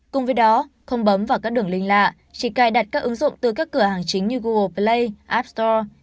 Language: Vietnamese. cùng với đó không bấm vào các đường linh lạ chỉ cài đặt các ứng dụng từ các cửa hàng chính như google play app store